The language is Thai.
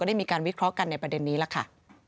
ได้มีการวิเคราะห์กันในประเด็นนี้ล่ะค่ะ